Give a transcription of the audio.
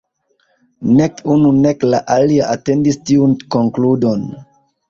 Nek unu, nek la alia atendis tiun konkludon.